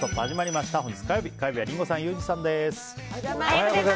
始まりました。